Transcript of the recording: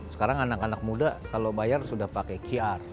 sekarang anak anak muda kalau bayar sudah pakai qr